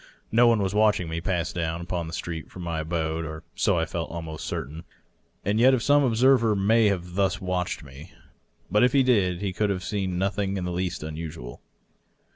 No one was watching me pass down upon the street from my abode— or so I felt almost certain. And yet some observer may have thus watched me. But if he did, he could have seen nothing in the least unusual.